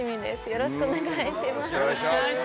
よろしくお願いします。